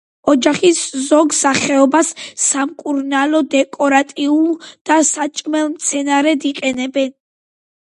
ოჯახის ზოგ სახეობას სამკურნალო, დეკორატიულ და საჭმელ მცენარედ იყენებენ.